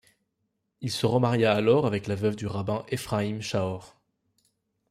Il se remaria alors avec la veuve du rabbin Ephraim Shahor.